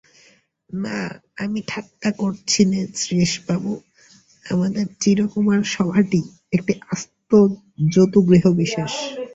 না, আমি ঠাট্টা করছি নে শ্রীশবাবু, আমাদের চিরকুমার-সভাটি একটি আস্ত জতুগৃহবিশেষ।